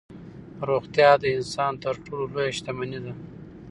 روغتیا د انسان تر ټولو لویه شتمني ده.